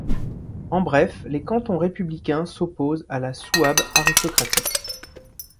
En bref, les cantons républicains s'opposent à la Souabe aristocratique.